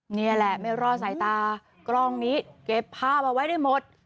นี่แหละไม่รอดสายตากล้องนี้เก็บภาพเอาไว้ได้หมด